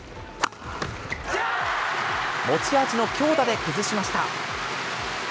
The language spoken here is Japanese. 持ち味の強打で崩しました。